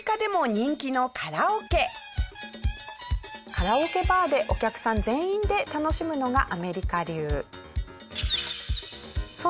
カラオケバーでお客さん全員で楽しむのがアメリカ流。